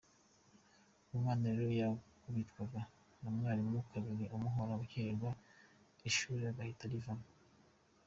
Umwana rero yakubitwaga na mwarimu kabiri amuhora gukererwa ishuri agahita arivamo.